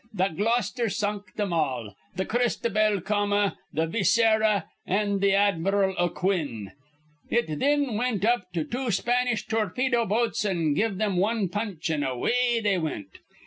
Th' Gloucester sunk thim all, th' Christobell Comma, the Viscera, an' th' Admiral O'Quinn. It thin wint up to two Spanish torpedo boats an' giv thim wan punch, an' away they wint.